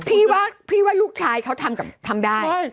พี่ว่าลูกชายเขาทำได้